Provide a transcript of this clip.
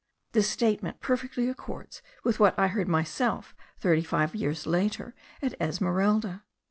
This statement perfectly accords with what I heard myself thirty five years later at Esmeralda.